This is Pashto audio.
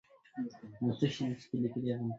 ویې کېکاږه، هغې پر ځان باندې پوړنی را کش کړ.